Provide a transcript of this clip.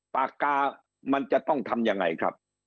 ปากกามันจะต้องทำยังไงครับ